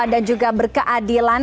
dan juga berkeadilan